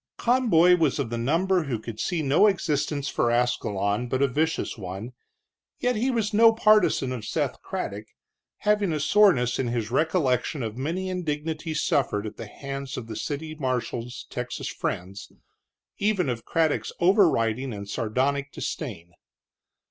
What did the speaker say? Conboy was of the number who could see no existence for Ascalon but a vicious one, yet he was no partisan of Seth Craddock, having a soreness in his recollection of many indignities suffered at the hands of the city marshal's Texas friends, even of Craddock's overriding and sardonic disdain.